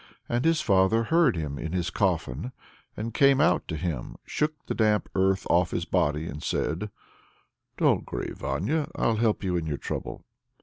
And his father heard him in his coffin, and came out to him, shook the damp earth off his body, and said: "Don't grieve, Vanya. I'll help you in your trouble."